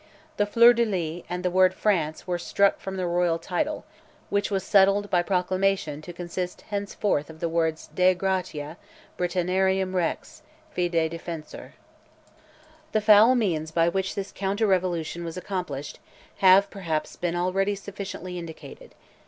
The fleur de lis, and the word "France," were struck from the royal title, which was settled, by proclamation, to consist henceforth of the words Dei Gratia, Britanniarum Rex, Fidei Defensor. The foul means by which this counter revolution was accomplished, have, perhaps, been already sufficiently indicated.